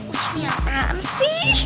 usmiah kan sih